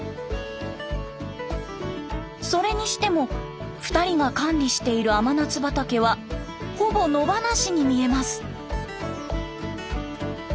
それにしても２人が管理している甘夏畑はほぼ野放しに見えます。